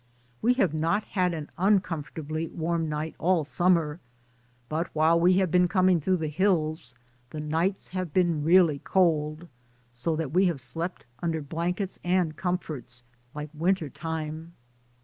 We have not had an uncom fortably warm night all Summer, but while we have been coming through the hills the nights have been really cold, so that we have slept under blankets and comforts, like Win ter time.